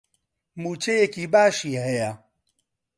مووچەیەکی باشی هەیە.